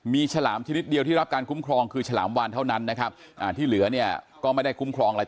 มีฉลามชนิดเดียวที่รับการคุ้มครองคือฉลามวานเท่านั้นนะครับที่เหลือเนี่ยก็ไม่ได้คุ้มครองอะไร